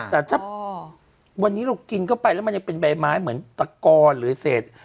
แต่ถ้าวันนี้เรากินเข้าไปแล้วมันยังเป็นใบไม้เหมือนตะกอนหรือเศษ